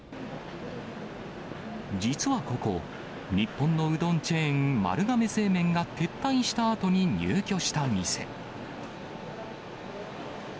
実はここ、日本のうどんチェーン、丸亀製麺が撤退したあとに入居した店。